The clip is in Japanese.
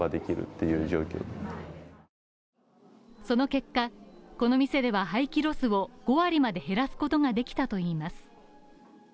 その結果、この店では廃棄ロスを５割まで減らすことができたといいます。